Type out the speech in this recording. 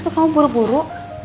kok kamu buru buru